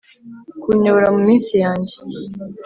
kunyobora mu minsi yanjye